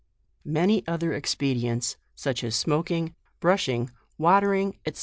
" Many other expedients, such as smoak ing, brushing, watering, &c.